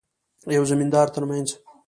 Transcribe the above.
یوه زمیندار ترمنځ.